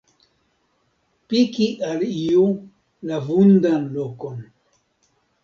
Piki al iu la vundan lokon.